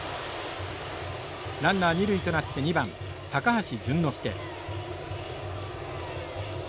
ランナー二塁となって２番高橋隼之介。